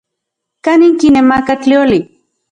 ¿Kanin kinemakaj tlioli?